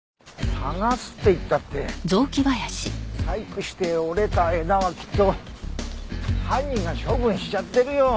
探すって言ったって細工して折れた枝はきっと犯人が処分しちゃってるよ。